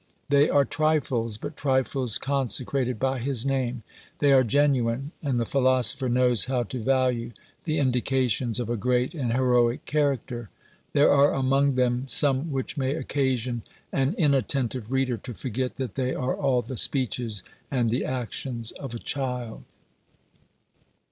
They are trifles, but trifles consecrated by his name. They are genuine; and the philosopher knows how to value the indications of a great and heroic character. There are among them some which may occasion an inattentive reader to forget that they are all the speeches and the actions of a child!